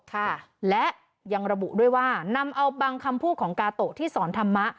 ค่ะและยังระบุด้วยว่านำเอาบางคำพูดของกาโตะที่สอนธรรมะ